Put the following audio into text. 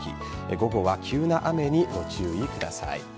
午後は急な雨にご注意ください。